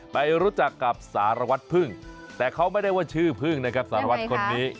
ไปรู้จักกับสารวัตรพึ่งแต่เขาไม่ได้ว่าชื่อพึ่งนะครับสารวัตรคนนี้